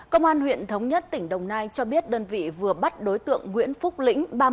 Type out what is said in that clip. công an huyện thống nhất tỉnh đồng nai cho biết đơn vị vừa bắt đối tượng nguyễn phúc lĩnh